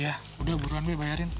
ya udah buruan b bayarin